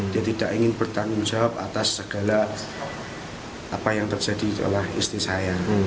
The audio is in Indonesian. dia tidak ingin bertanggung jawab atas segala apa yang terjadi oleh istri saya